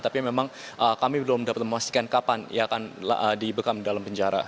tapi memang kami belum dapat memastikan kapan ia akan dibekam dalam penjara